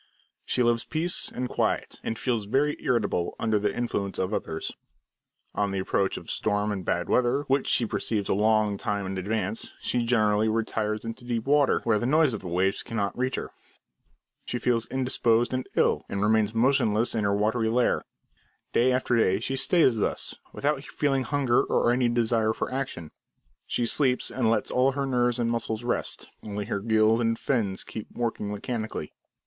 She loves peace and quiet, and feels very irritable under the influence of others. On the approach of storm and bad weather, which she perceives a long time in advance, she generally retires into deep water, where the noise of the waves cannot reach her. She feels indisposed and ill, and remains motionless in her watery lair. Day after day she stays thus, without feeling hunger, or any desire for action. She sleeps and lets all her nerves and muscles rest; only her gills and fins keep working mechanically.